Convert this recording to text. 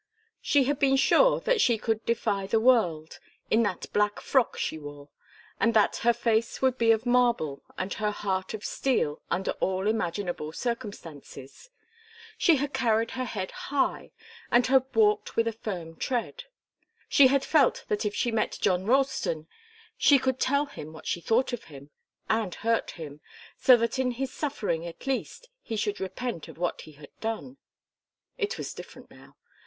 She had been sure that she could defy the world in that black frock she wore and that her face would be of marble and her heart of steel under all imaginable circumstances. She had carried her head high and had walked with a firm tread. She had felt that if she met John Ralston she could tell him what she thought of him, and hurt him, so that in his suffering, at least, he should repent of what he had done. It was different now.